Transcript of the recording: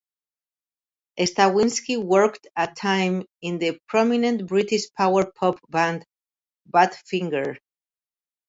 Stawinski worked a time in the prominent British power pop band Badfinger.